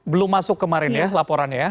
belum masuk kemarin ya laporannya ya